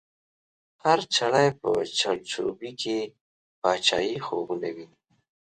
هر چړی په چړچوبۍ کی، باچایې خوبونه وینې